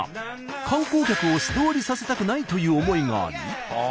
観光客を素通りさせたくないという思いがあり。